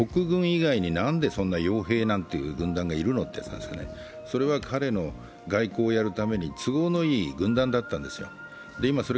国軍以外になんで、そんなよう兵なんていう軍団がいるのという、それは彼の外交をやるために都合のいい軍団だったわけですよ。